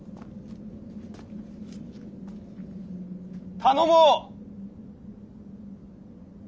頼もう！